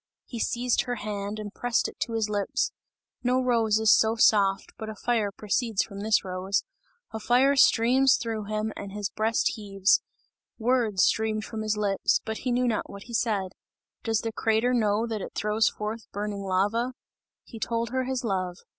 He seized her hand and pressed it to his lips no rose is so soft, but a fire proceeds from this rose a fire streams through him and his breast heaves; words streamed from his lips, but he knew not what he said. Does the crater know that it throws forth burning lava? He told her his love.